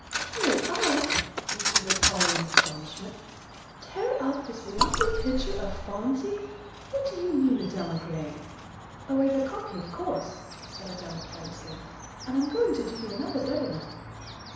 "Tear it up!" repeated Polly, in astonishment; "tear up this lovely picture of Phronsie! What do you mean, Adela Gray?" "Oh, I've a copy, of course," said Adela, carelessly; "and I'm going to do you another better one."